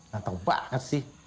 ganteng banget sih